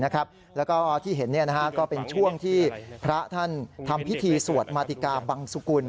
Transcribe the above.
แล้วก็ที่เห็นก็เป็นช่วงที่พระท่านทำพิธีสวดมาติกาบังสุกุล